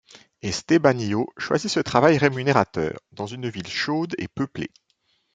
Estebanillo choisit ce travail rémunérateur, dans une ville chaude et peuplée.